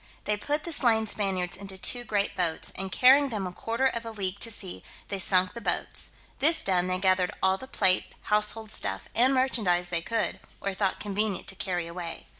They put the slain Spaniards into two great boats, and carrying them a quarter of a league to sea, they sunk the boats; this done, they gathered all the plate, household stuff, and merchandise they could, or thought convenient to carry away.